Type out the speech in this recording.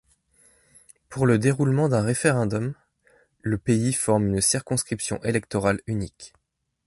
Pour le déroulement d'un référendum, le pays forme une circonscription électorale unique.